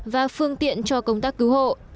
và phương tiện cho công tác cứu hộ